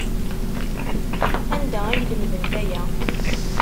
Anda ay lemdent aya?